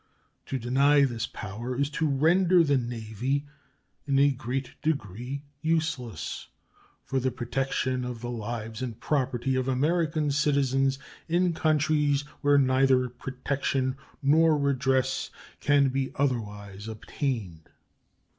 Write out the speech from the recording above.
To deny this power is to render the Navy in a great degree useless for the protection of the lives and property of American citizens in countries where neither protection nor redress can be otherwise obtained.